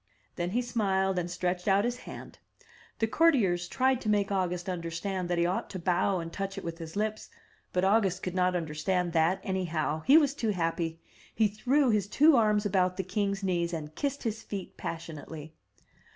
'' Then he smiled and stretched out his hand; the courtiers tried to make August understand that he ought to bow and touch it with his lips, but August could not understand that anyhow; he was too happy. He threw his two arms about the king's knees, and kissed his feet passionately.